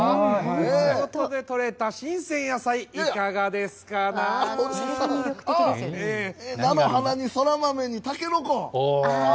地元で取れた新鮮野菜、いか菜の花にそらまめにたけのこ。